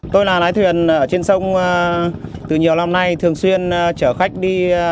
tôi là lái thuyền ở trên sông từ nhiều năm nay thường xuyên chở khách đi